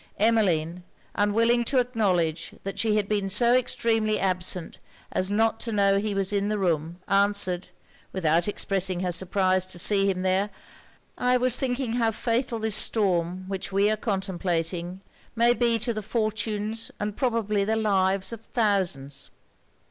Emmeline, unwilling to acknowledge that she had been so extremely absent as not to know he was in the room, answered, without expressing her surprise to see him there 'I was thinking how fatal this storm which we are contemplating, may be to the fortunes and probably the lives of thousands.'